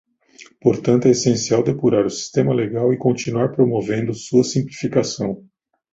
Portanto, é essencial depurar o sistema legal e continuar promovendo sua simplificação.